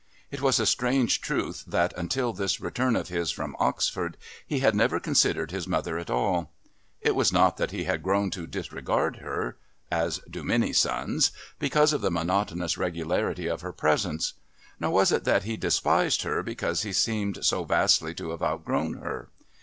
It was a strange truth that until this return of his from Oxford he had never considered his mother at all. It was not that he had grown to disregard her, as do many sons, because of the monotonous regularity of her presence. Nor was it that he despised her because he seemed so vastly to have outgrown her.